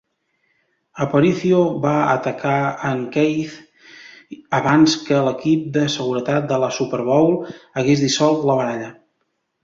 Aparicio va atacar en Keith abans que l"equip de seguretat de la Super Bowl hagués dissolt la baralla.